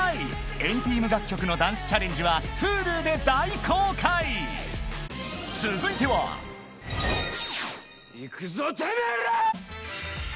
＆ＴＥＡＭ楽曲のダンスチャレンジはＨｕｌｕで大公開いくぞてめぇら！